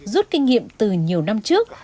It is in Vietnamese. rút kinh nghiệm từ nhiều năm trước